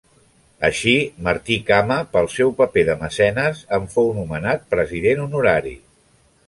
Així, Martí Cama, pel seu paper de mecenes en fou nomenat president honorari.